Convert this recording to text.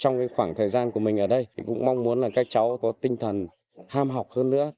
trong khoảng thời gian của mình ở đây thì cũng mong muốn là các cháu có tinh thần ham học hơn nữa